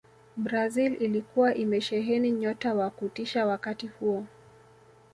brazil ilikuwa imesheheni nyota wa kutisha wakati huo